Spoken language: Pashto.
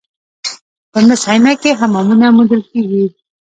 په مس عینک کې حمامونه موندل شوي